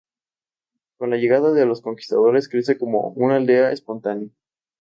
Con la llegada de los conquistadores crece como una aldea espontánea.